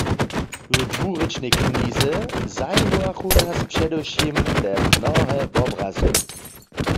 W dwurěčnej knize zajimowachu nas předewšěm te mnohe wobrazy.